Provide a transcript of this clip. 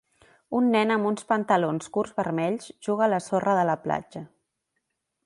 Un nen amb uns pantalons curts vermells juga a la sorra de la platja.